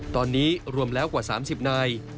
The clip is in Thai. ตอนนี้รวมแล้วกว่า๓๐นาย